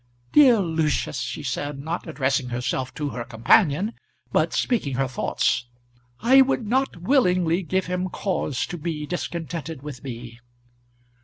"Dear Lucius!" she said, not addressing herself to her companion, but speaking her thoughts. "I would not willingly give him cause to be discontented with me."